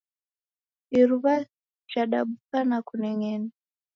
Iruwa jadabuka na kuneng'ena